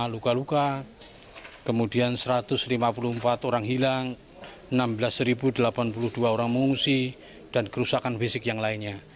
seribu empat ratus delapan puluh lima luka luka kemudian satu ratus lima puluh empat orang hilang enam belas delapan puluh dua orang mengungsi dan kerusakan fisik yang lainnya